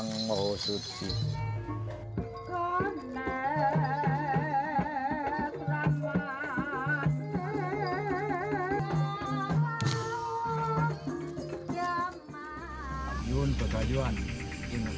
semoga suksesning semuanya yang ada di sekitar itu